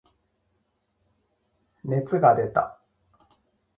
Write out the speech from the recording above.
熱が出た。